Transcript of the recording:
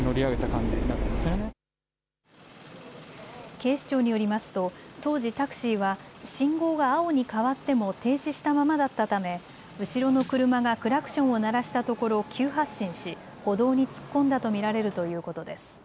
警視庁によりますと当時、タクシーは信号が青に変わっても停止したままだったため後ろの車がクラクションを鳴らしたところ急発進し歩道に突っ込んだと見られるということです。